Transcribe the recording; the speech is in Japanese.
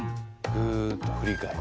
ふっと振り返る。